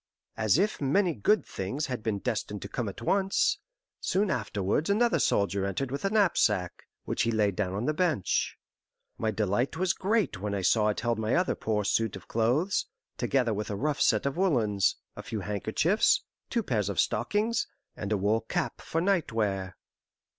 As if many good things had been destined to come at once, soon afterwards another soldier entered with a knapsack, which he laid down on the bench. My delight was great when I saw it held my other poor suit of clothes, together with a rough set of woollens, a few handkerchiefs, two pairs of stockings, and a wool cap for night wear.